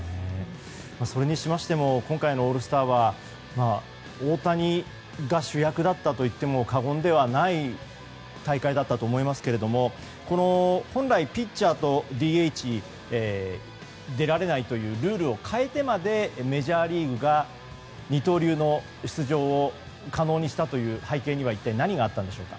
それにしましても今回のオールスターは大谷が主役だったと言っても過言ではない大会だったと思いますがこの本来、ピッチャーとＤＨ出られないというルールを変えてまでメジャーリーグが二刀流の出場を可能にした背景には一体何があったのでしょうか。